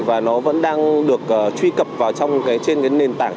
và nó vẫn đang được truy cập vào trên cái nền tảng